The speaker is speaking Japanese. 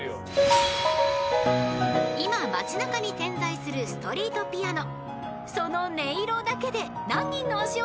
［今街中に点在するストリートピアノ］